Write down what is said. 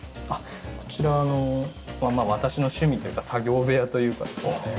こちらは私の趣味というか作業部屋というかですね。